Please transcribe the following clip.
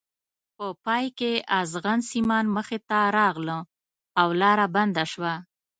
په پای کې ازغن سیمان مخې ته راغله او لاره بنده شوه.